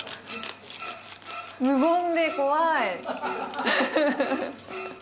無言で怖い。